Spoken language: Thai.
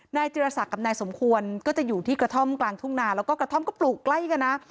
จิรษักกับนายสมควรก็จะอยู่ที่กระท่อมกลางทุ่งนาแล้วก็กระท่อมก็ปลูกใกล้กันนะ